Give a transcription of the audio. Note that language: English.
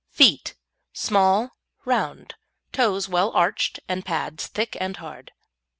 FEET Small, round; toes well arched and pads thick and hard.